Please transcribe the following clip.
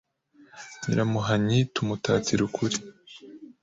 Nyiramuhanyi tumutatira ukuri